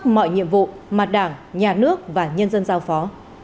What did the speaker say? mọi nhiệm vụ mà đảng nhà nước và nhân dân giao phó